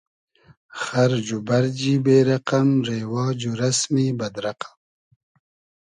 خئرج و بئرجی بې رئقئم , رېواج و رئسمی بئد رئقئم